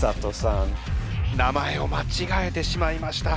名前をまちがえてしまいました。